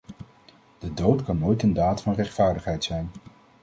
De dood kan nooit een daad van rechtvaardigheid zijn.